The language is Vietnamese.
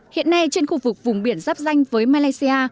hiện nay trên khu vực vùng biển giáp danh với malaysia